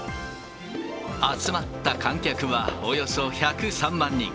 集まった観客はおよそ１０３万人。